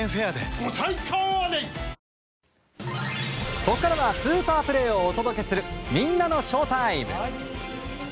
ここからはスーパープレーをお届けするみんなのＳＨＯＷＴＩＭＥ！